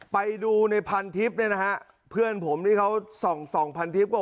ไปดูในพันทิศเนี่ยนะฮะเพื่อนผมนี่เขา๒พันทิศ